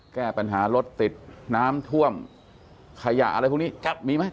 แก้ปัญหารถติดน้ำท่วมขยะอะไรพวกนี้มีไหม